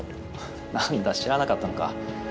なんだ知らなかったのか。